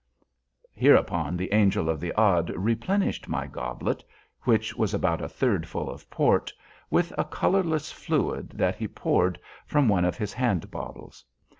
Hereupon the Angel of the Odd replenished my goblet (which was about a third full of port) with a colorless fluid that he poured from one of his hand bottles.